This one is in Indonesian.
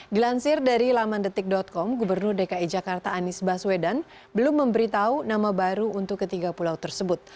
dilansir dari lamandetik com gubernur dki jakarta anies baswedan belum memberitahu nama baru untuk ketiga pulau tersebut